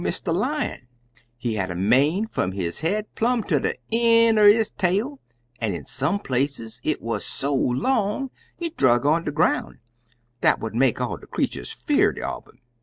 "He had a mane fum his head plum ter de een' er his tail, an' in some places it wuz so long it drug on de groun' dat what make all de creeturs 'fear'd un 'im.